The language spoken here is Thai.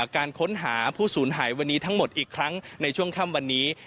การค้นหาผู้สูญหายวันนี้ทั้งหมดอีกครั้งในช่วงค่ำวันนี้